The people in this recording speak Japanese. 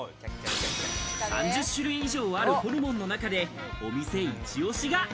３０種類以上あるホルモンの中で、お店イチオシが。